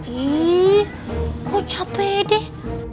ihh kok capek deh